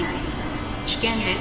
危険です。